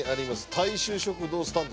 大衆食堂スタンド